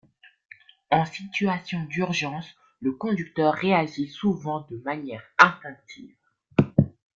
En situation d'urgence, le conducteur réagit souvent de manière instinctive.